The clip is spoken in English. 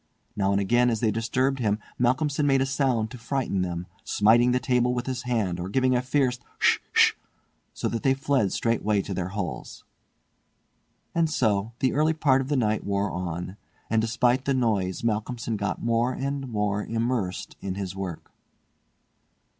Now and again as they disturbed him Malcolmson made a sound to frighten them, smiting the table with his hand or giving a fierce "Hsh, hsh," so that they fled straightway to their holes. And so the early part of the night wore on; and despite the noise Malcolmson got more and more immersed in his work.